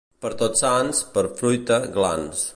Per Tots Sants, per fruita, glans.